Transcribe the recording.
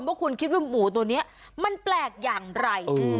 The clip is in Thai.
ว่าคุณคิดว่าหมูตัวนี้มันแปลกอย่างไร